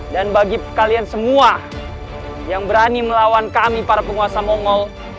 dan bagi kalian semua yang berani melawan kami para penguasa mongol